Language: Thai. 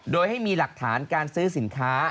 โดยให้มีหลักฐานการซื้อสินค้า